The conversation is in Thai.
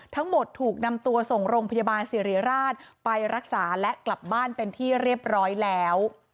ถูกนำตัวส่งโรงพยาบาลสิริราชไปรักษาและกลับบ้านเป็นที่เรียบร้อยแล้ว